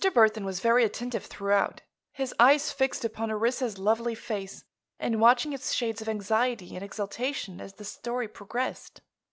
Burthon was very attentive throughout, his eyes fixed upon Orissa's lovely face and watching its shades of anxiety and exaltation as the story progressed.